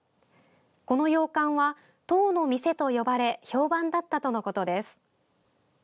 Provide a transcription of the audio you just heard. この洋館は、塔の店と呼ばれ評判だったとのことです。